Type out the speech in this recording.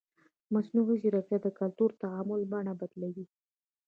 مصنوعي ځیرکتیا د کلتوري تعامل بڼه بدلوي.